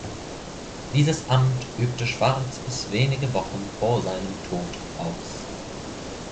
Dieses Amt übte Schwarz bis wenige Wochen vor seinem Tod aus.